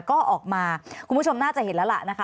ก็ออกมาคุณผู้ชมน่าจะเห็นแล้วล่ะนะคะ